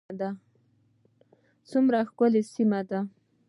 څومره ښکلې سیمه ده